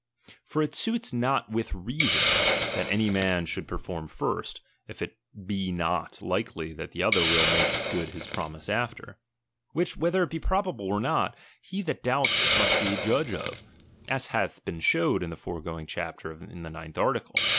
For it suits not with reason, that any man should perform first, if it be not likely that the other will make good his promise after ; which, whether it be probable or not, he that doubts it must be judge of, as hath been showed in the foregoing chapter in the ninth article.